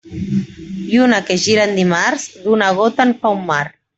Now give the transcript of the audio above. Lluna que gira en dimarts, d'una gota en fa un mar.